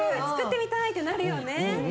つくってみたいってなるよね。